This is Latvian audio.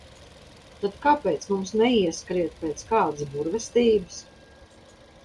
Tad kāpēc mums neieskriet pēc kādas burvestības?